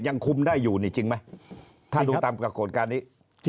ยังคุมได้อยู่นี่จริงไหมถ้าดูตามปรากฏการณ์นี้